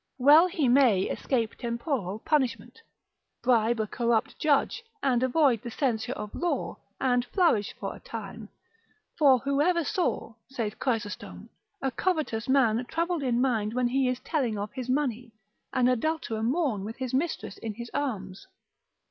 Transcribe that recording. Well he may escape temporal punishment, bribe a corrupt judge, and avoid the censure of law, and flourish for a time; for who ever saw (saith Chrysostom) a covetous man troubled in mind when he is telling of his money, an adulterer mourn with his mistress in his arms?